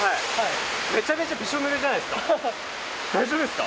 めちゃめちゃびしょぬれじゃないですか、大丈夫ですか？